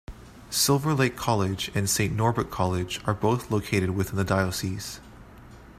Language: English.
Silver Lake College and Saint Norbert College are both located within the Diocese.